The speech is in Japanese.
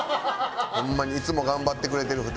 ホンマにいつも頑張ってくれてる２人に。